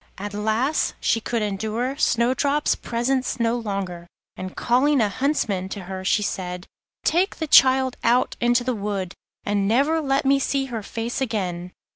At last she could endure Snowdrop's presence no longer, and, calling a huntsman to her, she said: 'Take the child out into the wood, and never let me see her face again.